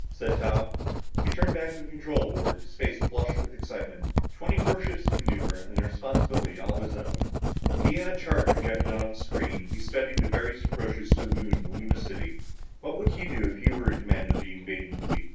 said Tom. He turned back to the control board, his face flushed with excitement. Twenty four ships to maneuver and the responsibility all his own. Via a chart projected on a screen, he studied various approaches to the Moon and Luna City. What would he do if he were in command of the invading fleet?